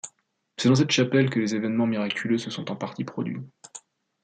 C'est dans cette chapelle que les événements miraculeux se sont en partie produits.